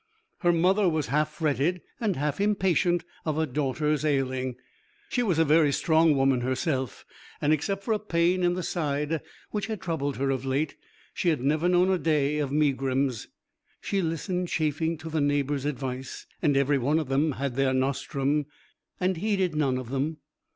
Her mother was half fretted and half impatient of her daughter's ailing. She was a very strong woman herself, and except for a pain in the side which had troubled her of late, she had never known a day of megrims. She listened chafing to the neighbours' advice and every one of them had their nostrum and heeded none of them.